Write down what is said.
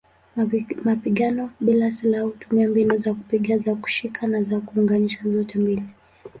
Mapigano bila silaha hutumia mbinu za kupiga, za kushika na za kuunganisha zote mbili.